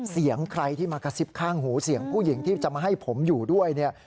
เสียงใครที่มากระซิบข้างหูเสียงผู้หญิงที่จะมาให้ผมอยู่ด้วยเนี่ย